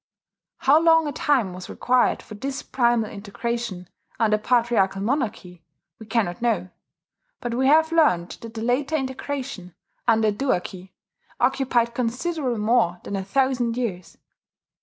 How long a time was required for this primal integration, under a patriarchal monarchy, we cannot know; but we have learned that the later integration, under a duarchy, occupied considerably more than a thousand years....